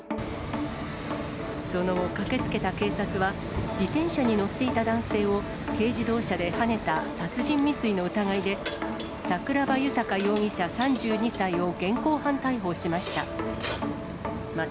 その後、駆けつけた警察は、自転車に乗っていた男性を軽自動車ではねた殺人未遂の疑いで、桜庭豊容疑者３２歳を現行犯逮捕しました。